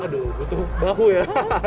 butuh bahu ya